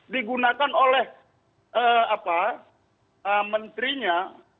digunakan oleh menterinya